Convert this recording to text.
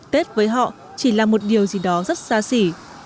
tết với họ chỉ là một điều gì đó rất xa xỉ